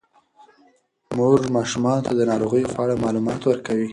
مور ماشومانو ته د ناروغیو په اړه معلومات ورکوي.